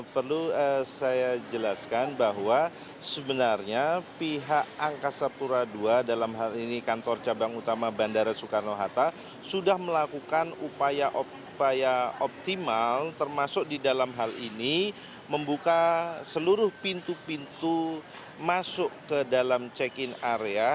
perlu saya jelaskan bahwa sebenarnya pihak angkasa pura ii dalam hal ini kantor cabang utama bandara soekarno hatta sudah melakukan upaya optimal termasuk di dalam hal ini membuka seluruh pintu pintu masuk ke dalam check in area